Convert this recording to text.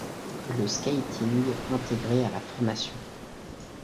Le Skating intégré à la formation.